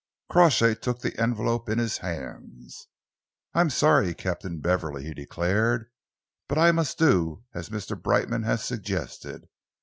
Crawshay took the envelope into his hands. "I am sorry, Captain Beverley," he declared, "but I must do as Mr. Brightman has suggested.